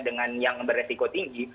dengan yang beresiko tinggi